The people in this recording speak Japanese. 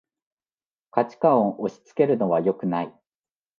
価値観を押しつけるのはよくない